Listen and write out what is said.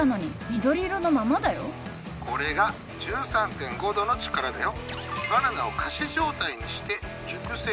これが１３．５度の力だよ。